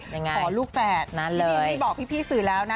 อย่างไรนั่นเลยพี่บอกพี่สื่อแล้วนะ